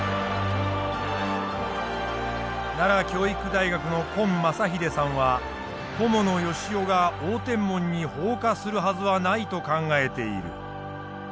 奈良教育大学の今正秀さんは伴善男が応天門に放火するはずはないと考えている。